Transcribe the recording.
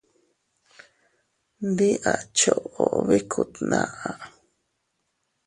Ndi a choʼo bikku tnaʼa.